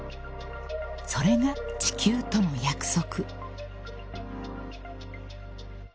［それが地球との約束］